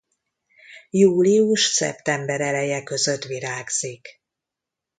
Július-szeptember eleje között virágzik.